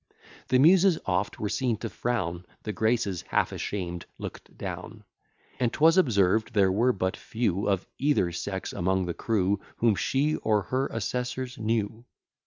The Muses oft were seen to frown; The Graces half ashamed look'd down; And 'twas observed, there were but few Of either sex among the crew, Whom she or her assessors knew.